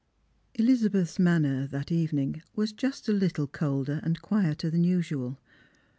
" Elizabeth's manner that evening was just a little colder and quieter than usual.